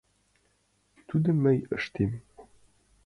Тудым мый ыштем.